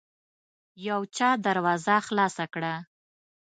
يو چا دروازه خلاصه کړه.